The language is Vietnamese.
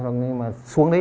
nhưng mà xuống đấy